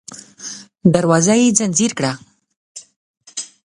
دروازه يې ځنځير کړه.